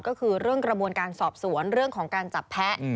ก็คือเรื่องกระบวนการสอบสวนเรื่องของการจับแพ้